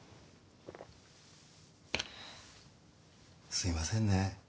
すみませんね。